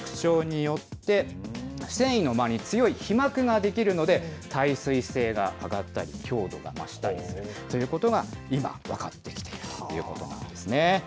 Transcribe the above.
柿タンニンの特徴によって、繊維の間に皮膜が出来るので、耐水性が上がったり、強度が増したりするということが今、分かってきているということなんですね。